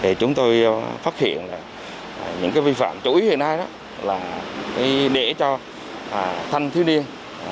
thì chúng tôi phát hiện là những vi phạm chủ ý hiện nay là để cho thanh thiếu điên